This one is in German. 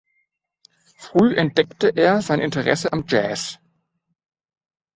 Früh entdeckte er sein Interesse am Jazz.